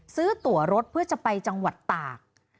ซื้อตัวรถเพื่อจะไปจังหวัดตาก